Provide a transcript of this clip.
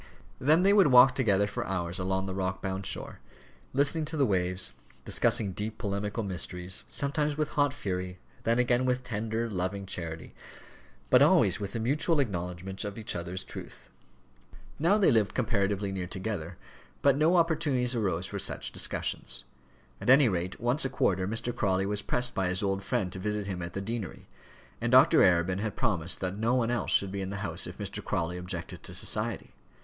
Then they would walk together for hours along the rock bound shore, listening to the waves, discussing deep polemical mysteries, sometimes with hot fury, then again with tender, loving charity, but always with a mutual acknowledgment of each other's truth. Now they lived comparatively near together, but no opportunities arose for such discussions. At any rate once a quarter Mr. Crawley was pressed by his old friend to visit him at the deanery, and Dr. Arabin had promised that no one else should be in the house if Mr. Crawley objected to society.